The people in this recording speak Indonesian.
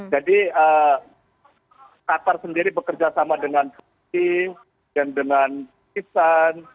jadi qatar sendiri bekerja sama dengan keputusan dan dengan keputusan